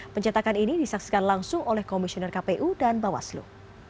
pencetakan ini disaksikan langsung oleh komisioner kpu dan bawaslu